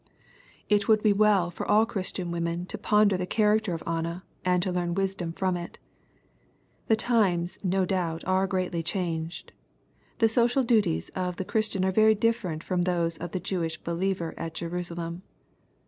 It would be well for all Christian women to ponder the character of Anna, and learn wisdom from it. The times, no doubt, are greatly changed. The social duties of the Christian are very different from those of the Jewish believer at Jerusalem.